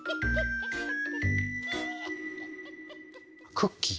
クッキー。